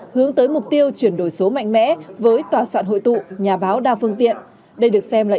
hướng tới mục tiêu chuyển đổi số mạnh mẽ với tòa soạn hội tụ nhà báo đa phương tiện đây được xem là